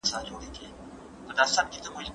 که کورنۍ مثبت چاپېریال وساتي، فشار نه لوړېږي.